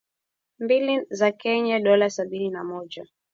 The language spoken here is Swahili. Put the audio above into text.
mbili za Kenya dola sabini na moja